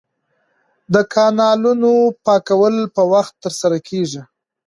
د کانالونو پاکول په وخت ترسره کیږي.